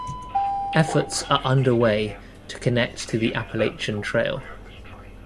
Efforts are under way to connect to the Appalachian Trail.